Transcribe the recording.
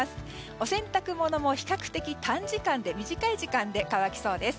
お洗濯物も比較的、短い時間で乾きそうです。